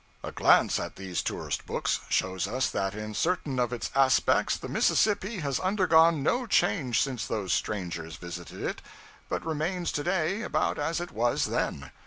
A glance at these tourist books shows us that in certain of its aspects the Mississippi has undergone no change since those strangers visited it, but remains to day about as it was then.